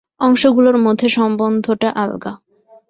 অংশগুলোর মধ্যে সম্বন্ধটা আলগা।